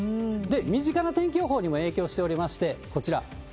身近な天気予報にも影響しておりまして、こちら。